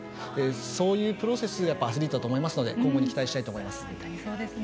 そういうプロセスがアスリートだと思いますので今後も期待したいと思います。